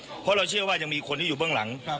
เพราะเราเชื่อว่ายังมีคนที่อยู่เบื้องหลัง